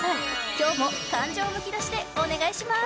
今日も感情むき出しでお願いします！